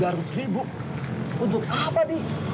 tiga ratus ribu untuk apa di